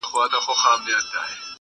• مه یې را کوه د هضمېدلو توان یې نلرم..